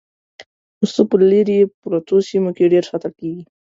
پسه په لرې پرتو سیمو کې ډېر ساتل کېږي.